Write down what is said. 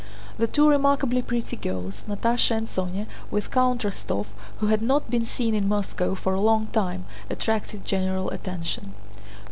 The two remarkably pretty girls, Natásha and Sónya, with Count Rostóv who had not been seen in Moscow for a long time, attracted general attention.